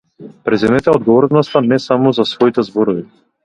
Преземете ја одговорноста не само за своите зборови.